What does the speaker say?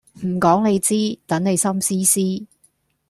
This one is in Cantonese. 唔講你知，等你心思思